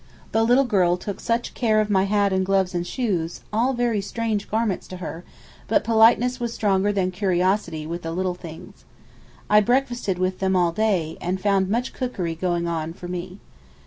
The little girl took such care of my hat and gloves and shoes, all very strange garments to her, but politeness was stronger than curiosity with the little things. I breakfasted with them all next day, and found much cookery going on for me.